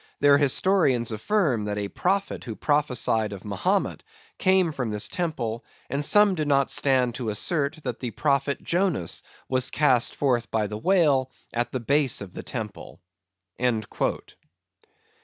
Their Historians affirm, that a Prophet who prophesy'd of Mahomet, came from this Temple, and some do not stand to assert, that the Prophet Jonas was cast forth by the Whale at the Base of the Temple."